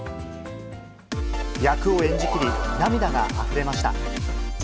役を演じきり、涙があふれました。